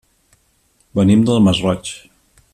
Venim del Masroig.